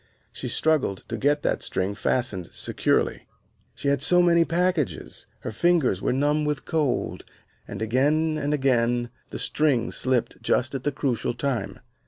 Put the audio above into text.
She struggled to get that string fastened securely. She had so many packages, her fingers were numb with cold, and again and again the string slipped just at the crucial time.